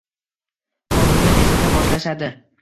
Hovlini bezata boshlashadi..